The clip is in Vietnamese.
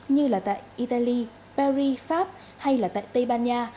như là tại italy paris pháp hay là tại tây ban nha